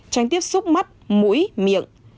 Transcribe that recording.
tránh tiếp xúc mắt mũi miệng